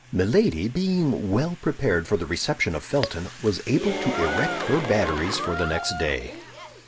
Milady, being well prepared for the reception of Felton, was able to erect her batteries for the next day.